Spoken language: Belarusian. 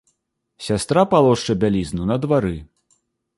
Сястра палошча бялізну на двары.